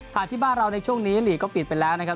ที่บ้านเราในช่วงนี้หลีกก็ปิดไปแล้วนะครับ